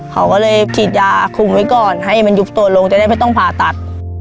เขาก็เลยฉีดยาคุมไว้ก่อนให้มันยุบตัวลงจะได้ไม่ต้องผ่าตัด